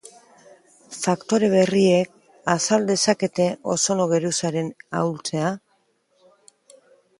Faktore berriek azal dezakete ozono geruzaren ahultzea?